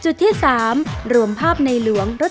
จุดที่๓๑หลวมภาพในหลวงรถการที่๙